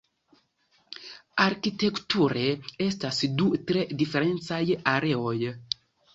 Arkitekture estas du tre diferencaj areoj.